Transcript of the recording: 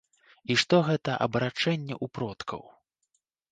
І што гэта абарачэнне ў продкаў.